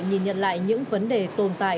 nhìn nhận lại những vấn đề tồn tại